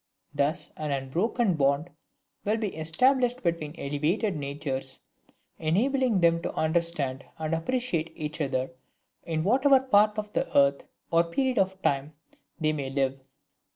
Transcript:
Thus an unbroken bond will be established between elevated natures, enabling them to understand and appreciate each other, in whatever part of the earth or period of time they may live.